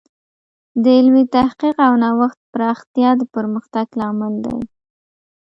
د علمي تحقیق او نوښت پراختیا د پرمختګ لامل دی.